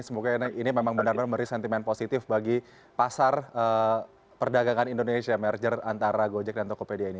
semoga ini memang benar benar memberi sentimen positif bagi pasar perdagangan indonesia merger antara gojek dan tokopedia ini